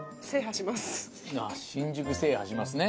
「新宿制覇します」ね。